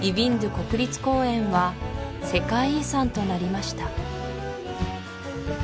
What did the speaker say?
国立公園は世界遺産となりました